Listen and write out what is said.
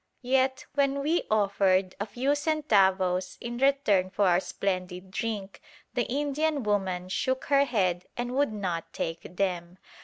Yet when we offered a few centavos in return for our splendid drink, the Indian woman shook her head and would not take them.